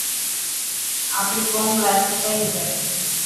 آپري قوم لاءِ سچائي هئي.